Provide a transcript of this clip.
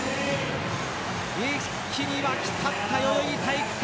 一気に沸き立った代々木体育館。